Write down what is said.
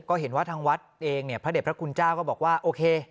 ก็เห็นว่าทางวัดเองเนี่ยพระเด็จพระคุณเจ้าก็บอกว่าโอเค